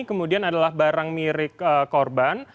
kemudian adalah barang milik korban